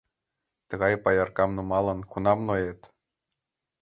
— Тыгай паяркам нумалын, кунам ноет?